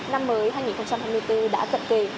năm mới hai nghìn hai mươi bốn đã cận kề